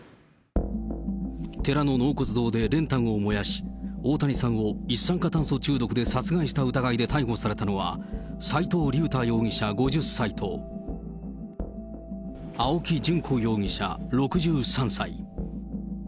寺の納骨堂で練炭を燃やし、大谷さんを一酸化炭素中毒で殺害した疑いで逮捕されたのは、斎藤竜太容疑者５０歳と、青木淳子容疑者６３歳。